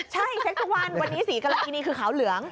ใช่เช็คทุกวันวันนี้สีกรกินีคือขาวเหลือง